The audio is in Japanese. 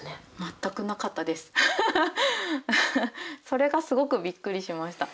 それがすごくびっくりしました。